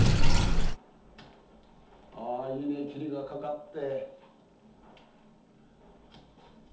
あいいね霧がかかって。